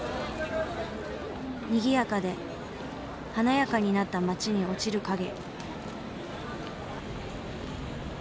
にぎやかで華やかになった街に落ちる影。